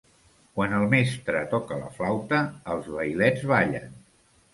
Quan el mestre toca la flauta, els vailets ballen.